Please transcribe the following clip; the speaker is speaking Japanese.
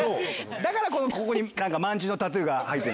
だからここにまんじのタトゥーが入ってる。